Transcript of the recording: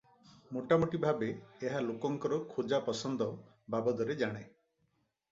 ମୋଟାମୋଟି ଭାବେ ଏହା ଲୋକଙ୍କର ଖୋଜା ପସନ୍ଦ ବାବଦରେ ଜାଣେ ।